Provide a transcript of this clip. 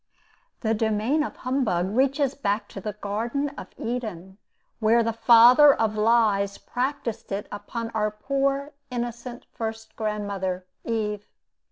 The domain of humbug reaches back to the Garden of Eden, where the Father of lies practised it upon our poor, innocent first grandmother, Eve.